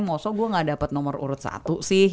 maksud gue gak dapet nomor urut satu sih